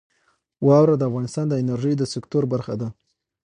واوره د افغانستان د انرژۍ د سکتور برخه ده.